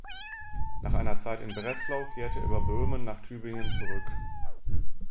Nach einer Zeit in Breslau kehrte er über Böhmen nach Tübingen zurück.